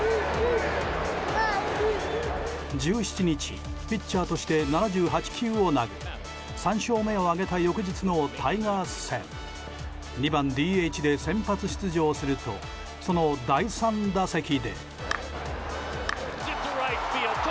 １８日、ピッチャーとして７８球を投げ３勝目を挙げた翌日のタイガース戦２番ＤＨで先発出場するとその第３打席で。